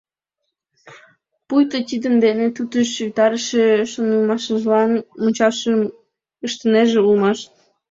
Пуйто тидын дене тутыш витарыше шонымашыжлан мучашым ыштынеже улмаш.